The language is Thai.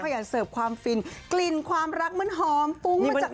เขาขยันเสิร์ฟความฟินกลิ่นความรักเหมือนหอมปุ้งมาจากนาเวย์